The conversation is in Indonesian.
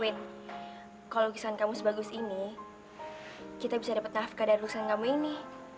kalau lukisan kamu sebagus ini kita bisa dapat nafkah dari lukisan kamu ini